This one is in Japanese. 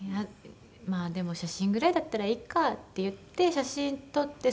「まあでも写真ぐらいだったらいいか」って言って写真撮って。